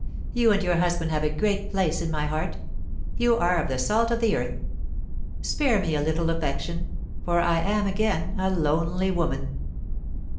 You and your husband have a great place in my heart; you are of the salt of the earth. Spare me a little affection, for I am again a lonely woman."